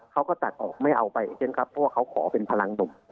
เขาก็ตัดออกไม่เอาไปเพราะว่าเขาขอเป็นพลังดม